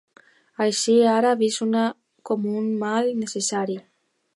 Així, era vist com un mal necessari.